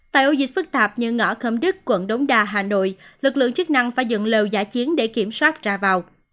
tại ổ dịch phức tạp như ngõ khấm đức quận đống đa hà nội lực lượng chức năng phải dựng lều giả chiến để kiểm soát ra vào